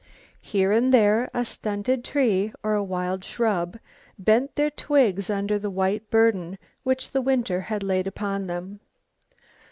Here and there a stunted tree or a wild shrub bent their twigs under the white burden which the winter had laid upon them.